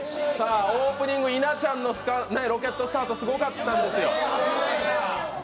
オープニング、稲ちゃんのロケットスタートすごかったですよ。